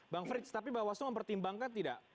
bang frits tapi bapak wassong mempertimbangkan tidak